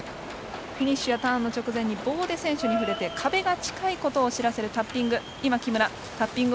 フィニッシュやターンの直前に棒で選手に触れて壁が近いことを知らせるタッピング。